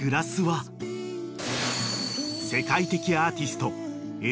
［世界的アーティスト］